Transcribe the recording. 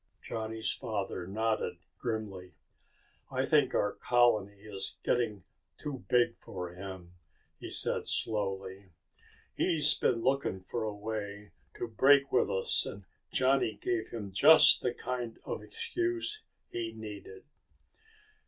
Johnny's father nodded grimly. "I think our colony is getting too big for him," he said slowly. "He's been looking for a way to break with us and Johnny gave him just the kind of excuse he needed."